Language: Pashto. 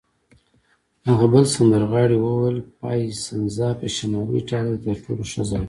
هغه بل سندرغاړي وویل: پایسنزا په شمالي ایټالیا کې تر ټولو ښه ځای دی.